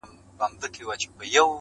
• په ځنګله کي ګرځېدمه ستړی پلی -